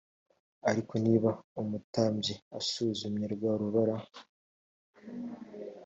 ariko niba umutambyi asuzumye rwa rubara